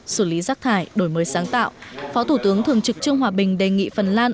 xử lý rác thải đổi mới sáng tạo phó thủ tướng thường trực trương hòa bình đề nghị phần lan